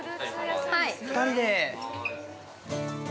２人で。